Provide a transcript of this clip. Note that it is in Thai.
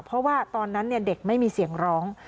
เพราะว่าตอนนั้นเด็กไม่มีเสียงร้อง